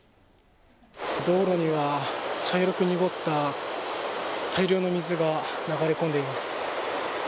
道路には茶色く濁った大量の水が流れ込んでいます。